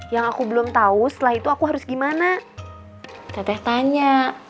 yang aku belum tau setelah itu aku harus gimana